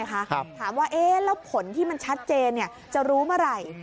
ถามว่าแล้วผลที่มันชัดเจนจะรู้เมื่อไหร่